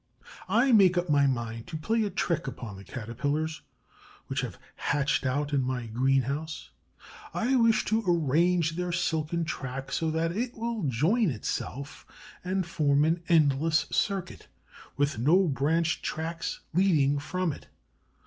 I make up my mind to play a trick upon the Caterpillars which have hatched out in my greenhouse. I wish to arrange their silken track so that it will join on to itself and form an endless circuit, with no branch tracks leading from it.